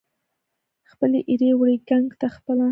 خپلې ایرې وړي ګنګ ته پخپله